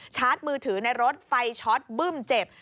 ชาร์จมือถือในรถไฟช็อตบึ้มเจ็บ